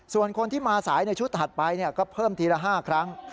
ส่วนคนที่มาสายในชุดถัดไปก็เพิ่มทีละ๕ครั้ง